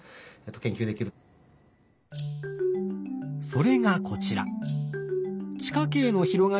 それがこちら。